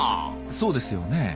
そうですよね。